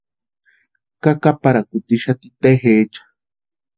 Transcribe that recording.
Kakaparhakutixati tejecha.